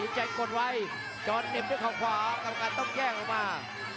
อินชัยกดไว้จอนเหน็บด้วยข่าวขวากำกัดต้องแย่งลงมา